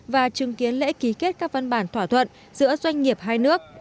và chứng kiến lễ ký kết các văn bản thỏa thuận giữa doanh nghiệp hai nước